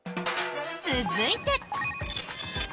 続いて。